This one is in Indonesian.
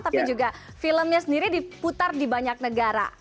tapi juga filmnya sendiri diputar di banyak negara